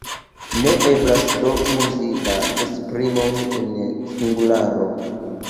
Ne eblas do uzi la esprimon en singularo.